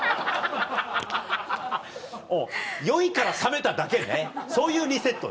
おう酔いからさめただけねそういうリセットね。